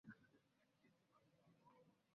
Kye muva mulaba abaana baabwe boonooneka nnyo.